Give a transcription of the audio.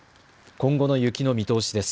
今後の雪の見通しです。